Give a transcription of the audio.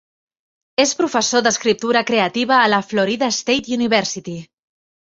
És professor d'escriptura creativa a la Florida State University.